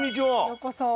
ようこそ。